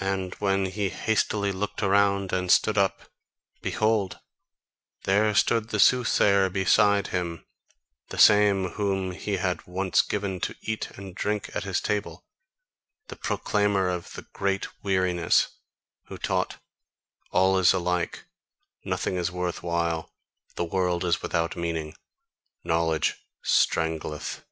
And when he hastily looked around and stood up, behold, there stood the soothsayer beside him, the same whom he had once given to eat and drink at his table, the proclaimer of the great weariness, who taught: "All is alike, nothing is worth while, the world is without meaning, knowledge strangleth."